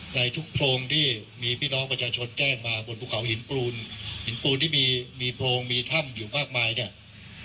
ในทุกโพรงที่มีพี่น้องประชาชนแจ้งมาบนภูเขาหินปูนหินปูนที่มีโพรงมีถ้ำอยู่มากมายเนี่ย